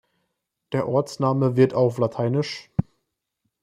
Der Ortsname wird auf lat.